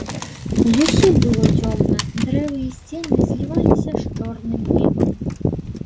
Зусім было цёмна, дрэвы і сцены зліваліся з чорным небам.